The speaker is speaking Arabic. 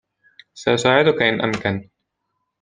.سأساعدك إن أمكن